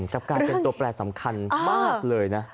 กับการเป็นตัวแปรสำคัญมากเลยนะ